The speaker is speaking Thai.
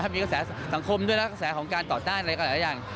มีกระแสสังคมด้วยนะกระแสของการตอบตั้งอะไรอย่าง